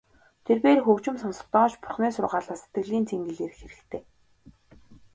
Тэрбээр хөгжим сонсохдоо ч Бурханы сургаалаас сэтгэлийн цэнгэл эрэх хэрэгтэй.